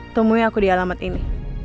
temui aku di alamat ini